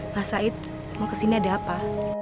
mas said mau kesini ada apa